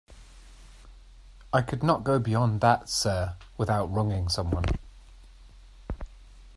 I could not go beyond that, sir, without wronging some one.